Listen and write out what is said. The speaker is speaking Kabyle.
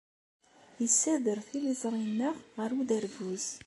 Yessader tiliẓri-nneɣ ɣer uderbuz.